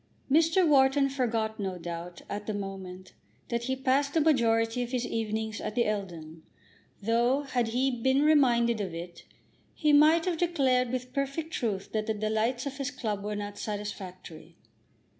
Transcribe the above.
Mr. Wharton forgot, no doubt, at the moment, that he passed the majority of his evenings at the Eldon, though, had he been reminded of it, he might have declared with perfect truth that the delights of his club were not satisfactory.